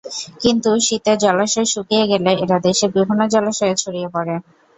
কিন্তু শীতে জলাশয় শুকিয়ে গেলে এরা দেশের বিভিন্ন জলাশয়ে ছড়িয়ে পড়ে।